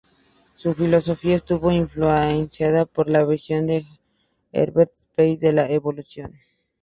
Su filosofía estuvo influida por la visión de Herbert Spencer de la evolución.